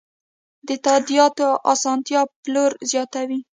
د تادیاتو اسانتیا پلور زیاتوي.